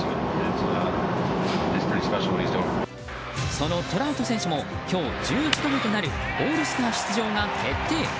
そのトラウト選手も今日、１１度目となるオールスター出場が決定。